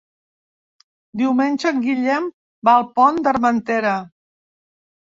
Diumenge en Guillem va al Pont d'Armentera.